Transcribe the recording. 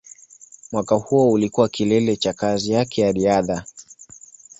Mwaka huo ulikuwa kilele cha kazi yake ya riadha.